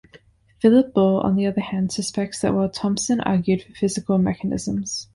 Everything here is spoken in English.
Philip Ball on the other hand suspects that while Thompson argued for physical mechanisms.